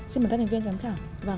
xin mời các thành viên giám khảo